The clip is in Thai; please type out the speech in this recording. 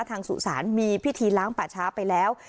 ทางสู่ศาลมีพิธีล้างป่าช้าไปแล้ว